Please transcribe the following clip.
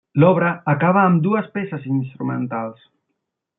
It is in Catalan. L'obra acaba amb dues peces instrumentals.